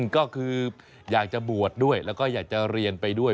ก็คืออยากจะบวชด้วยแล้วก็อยากจะเรียนไปด้วย